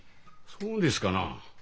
そうですかな？